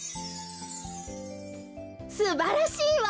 すばらしいわ！